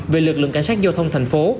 về lực lượng cảnh sát giao thông thành phố